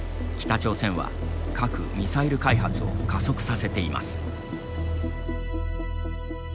北朝鮮は核・ミサイル開発を加速させています。